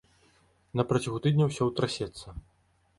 На працягу тыдня ўсё ўтрасецца.